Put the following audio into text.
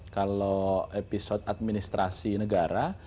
kalau episode administrasi negara